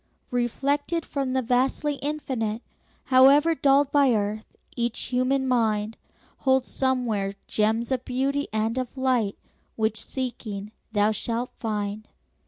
Reflected from the vastly Infinite, However dulled by earth, each human mind Holds somewhere gems of beauty and of light Which, seeking, thou shalt find.